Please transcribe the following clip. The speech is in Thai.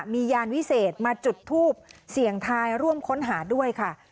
มียานวิเศษมาจุดทูปเสี่ยงทายร่วมค้นหาด้วยค่ะ